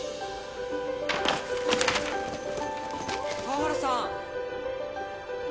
川原さん！